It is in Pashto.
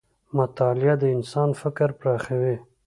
مطالعه د انسان فکر پراخوي.